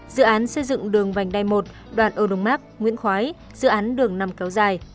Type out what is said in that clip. dự án xây dựng đường vành đai một đoạn âu đông mác nguyễn khói dự án đường năm kéo dài